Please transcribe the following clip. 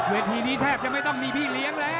เวทีนี้แทบจะไม่ต้องมีพี่เลี้ยงแล้ว